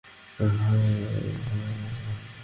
আমি কোথায় আছি বলতে পারব না।